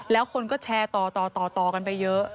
แล้วคนก็แชร์ต่อกันไปเยอะ